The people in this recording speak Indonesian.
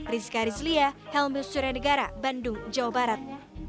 rizka rizlia helmius suriadegara bandung jawa barat